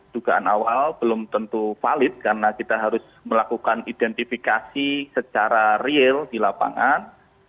dugaan awal belum tentu valid karena kita harus melakukan identifikasi secara real di lapangan